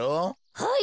はい！